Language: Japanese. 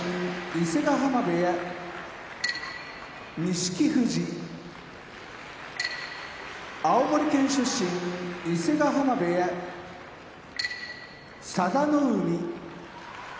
伊勢ヶ濱部屋錦富士青森県出身伊勢ヶ濱部屋佐田の海